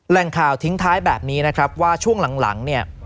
แหล่งข่าวทิ้งท้ายแบบนี้นะครับว่าช่วงหลังเนี่ย